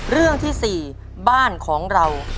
เรื่องที่๔บ้านของเรา